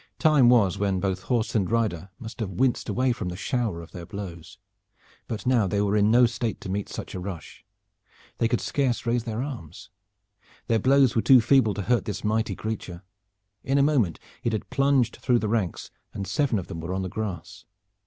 Time was when both horse and rider must have winced away from the shower of their blows. But now they were in no state to meet such a rush. They could scarce raise their arms. Their blows were too feeble to hurt this mighty creature. In a moment it had plunged through the ranks, and seven of them were on the grass.